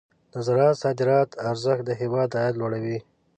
د زراعت صادراتي ارزښت د هېواد عاید لوړوي.